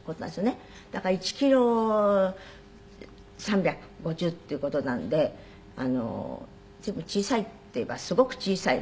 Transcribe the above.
だから１キロ３５０っていう事なので随分小さいっていえばすごく小さい。